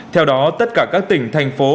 theo đó tất cả các tỉnh thành phố